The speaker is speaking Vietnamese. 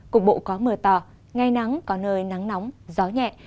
cục bộ có mưa to ngày nắng có nơi nắng nóng gió nhẹ